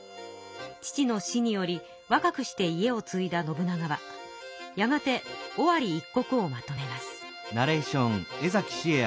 父の死によりわかくして家をついだ信長はやがて尾張一国をまとめます。